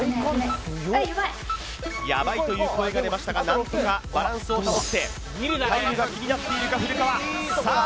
ヤバいという声が出ましたが何とかバランスを保ってタイムが気になっているか古川さあ